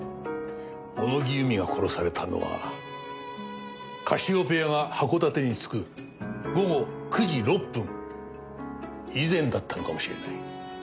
小野木由美が殺されたのはカシオペアが函館に着く午後９時６分以前だったのかもしれない。